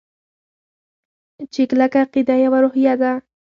چې کلکه عقیده يوه روحیه ده.